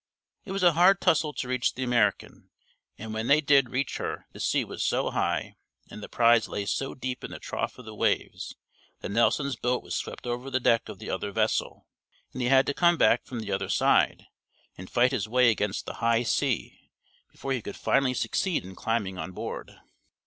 It was a hard tussle to reach the American, and when they did reach her the sea was so high, and the prize lay so deep in the trough of the waves, that Nelson's boat was swept over the deck of the other vessel, and he had to come back from the other side and fight his way against the high sea before he could finally succeed in climbing on board.